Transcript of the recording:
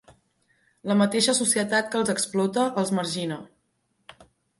La mateixa societat que els explota, els margina.